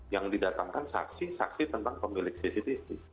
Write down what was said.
yang didatangkan saksi saksi tentang pemilik cctv